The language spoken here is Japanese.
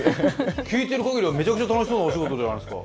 聞いてる限りはめちゃくちゃ楽しそうなお仕事じゃないですか。